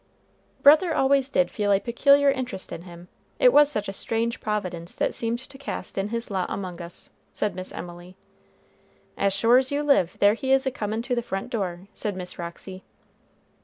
"Brother always did feel a peculiar interest in him; it was such a strange providence that seemed to cast in his lot among us," said Miss Emily. "As sure as you live, there he is a coming to the front door," said Miss Roxy.